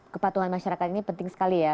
kepatuhan masyarakat ini penting sekali ya